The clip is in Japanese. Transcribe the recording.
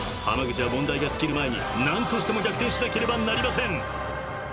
［濱口は問題が尽きる前に何としても逆転しなければなりません］